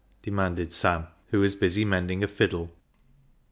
demanded Sam, who was busy mending a fiddle.